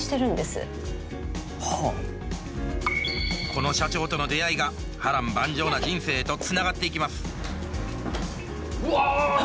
この社長との出会いが波乱万丈な人生へとつながっていきますうわ！